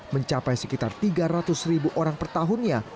mencapai sekitar tiga ratus ribu orang per tahunnya